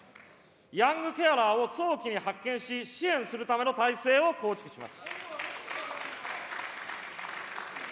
ヤングケアラーを早期に発見し、支援するための体制を構築します。